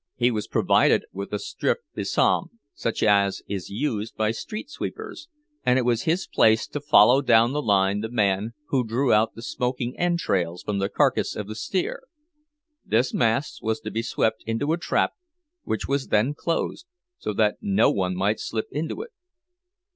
He was provided with a stiff besom, such as is used by street sweepers, and it was his place to follow down the line the man who drew out the smoking entrails from the carcass of the steer; this mass was to be swept into a trap, which was then closed, so that no one might slip into it.